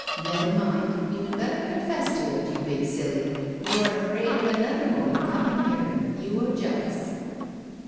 Never mind, you had better confess to it, you big silly, you are afraid of another woman coming here; you are jealous.